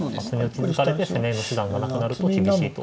厚みを築かれて攻めの手段がなくなると厳しいと。